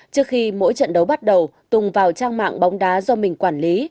trước khi mỗi trận đấu bắt đầu tùng vào trang mạng bóng đá do mình quản lý